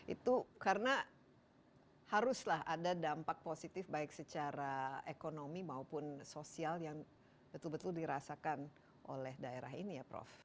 itu karena haruslah ada dampak positif baik secara ekonomi maupun sosial yang betul betul dirasakan oleh daerah ini ya prof